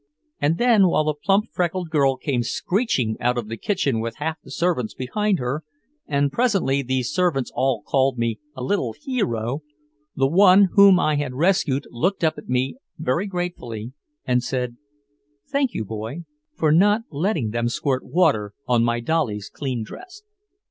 And then while the plump freckled girl came screeching out of the kitchen with half the servants behind her, and presently these servants all called me "a little heero" the one whom I had rescued looked up at me very gratefully and said, "Thank you, Boy, for not letting them squirt water on my dolly's clean dress."